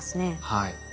はい。